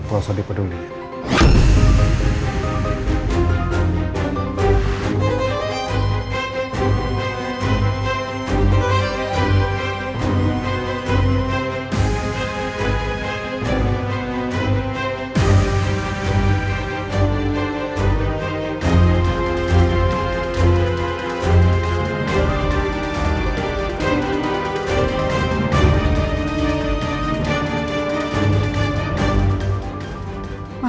gak usah dipeduli ya